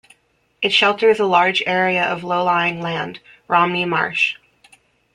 It shelters a large area of low-lying land, Romney Marsh.